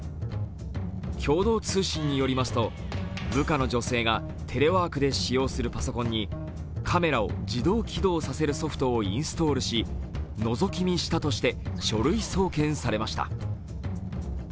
共同通信によりますと、部下の女性がテレワークで使用するパソコンにカメラを自動起動させるソフトをインストールし、のぞき見したとして書類送検されました。